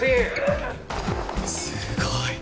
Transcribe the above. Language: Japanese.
すごい。